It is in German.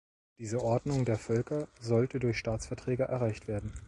Diese Ordnung der Völker sollte durch Staatsverträge erreicht werden.